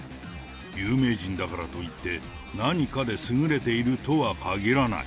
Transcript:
有名人だからといって、何かで優れているとはかぎらない。